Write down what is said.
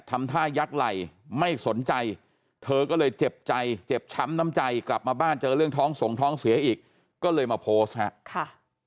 ทำท่ายักษ์ไหลไม่สนใจเธอก็เลยเจ็บใจเจ็บช้ำน้ำใจกลับมาบ้านเจอเรื่องท้องสงท้องเสียอีกก็เลยมาโพสต์ครับ